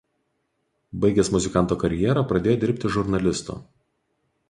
Baigęs muzikanto karjerą pradėjo dirbti žurnalistu.